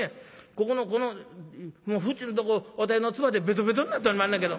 ここのこのもう縁んとこ私の唾でベトベトになっておりまんねんけど。